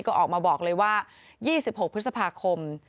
ก็ออกมาบอกเลยว่า๒๖พฤษภาคม